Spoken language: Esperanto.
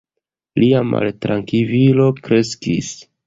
Lia maltrankvilo kreskis.